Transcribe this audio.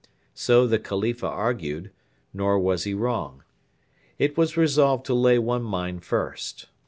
So the Khalifa argued; nor was he wrong. It was resolved to lay one mine first.